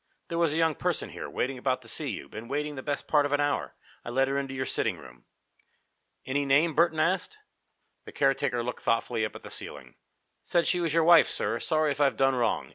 "There was a young person here, waiting about to see you, been waiting the best part of an hour. I let her into your sitting room." "Any name?" Burton asked. The caretaker looked thoughtfully up at the ceiling. "Said she was your wife, sir. Sorry if I've done wrong.